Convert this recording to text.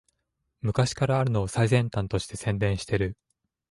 昔からあるのを最先端として宣伝してる